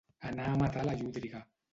Anar a matar la llúdriga.